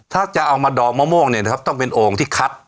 ถ้าจะเอามาดองมะม่วงเนี่ยนะครับต้องเป็นโอ่งที่คัด